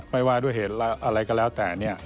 ไม่ว่าด้วยเหตุอะไรก็แล้วแต่เนี่ย